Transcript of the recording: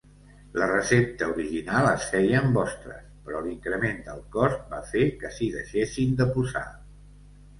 La recepta original es feia amb ostres, però l'increment del cost va fer que s'hi deixessin de posar.